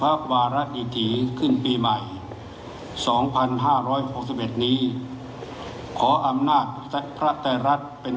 ถือว่าชีวิตที่ผ่านมายังมีความเสียหายแก่ตนและผู้อื่น